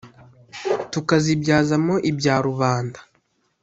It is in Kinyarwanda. Tukazibyazamo ibya rubanda